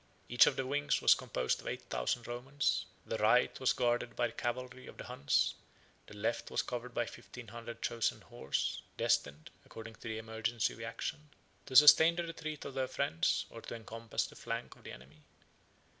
Each of the wings was composed of eight thousand Romans; the right was guarded by the cavalry of the Huns, the left was covered by fifteen hundred chosen horse, destined, according to the emergencies of action, to sustain the retreat of their friends, or to encompass the flank of the enemy.